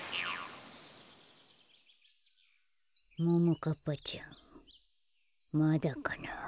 ももかっぱちゃんまだかな。